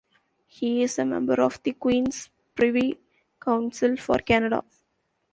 He is a member of the Queen's Privy Council for Canada.